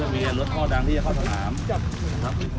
ถ้าพี่มีถนามฟังผมนะเอาความเป็นจริงนะ